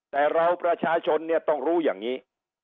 แต่เราประชาชนเนี่ยต้องรู้อย่างนี้